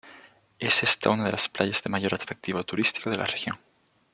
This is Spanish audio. Es esta una de las playas de mayor atractivo turístico de la región.